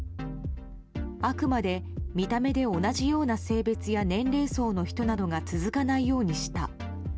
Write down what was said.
あくまで見た目で同じような性別や年齢層の人が続かないようにした。